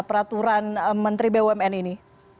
peraturan menteri bumn ini